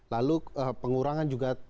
lalu pengurangan juga